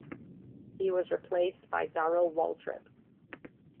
He was replaced by Darrell Waltrip.